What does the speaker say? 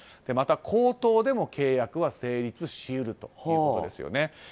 また、口頭でも契約は成立し得るということですよね。